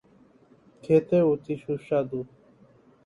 খেতে অতি সুস্বাদু।